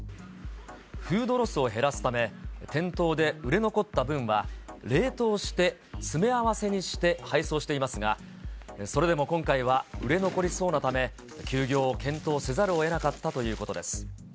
フードロスを減らすため、店頭で売れ残った分は、冷凍して詰め合わせにして配送していますが、それでも今回は売れ残りそうなため、休業を検討せざるをえなかったということです。